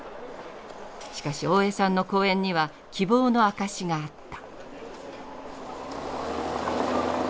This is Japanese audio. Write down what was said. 「しかし大江さんの講演には希望の証しがあった」。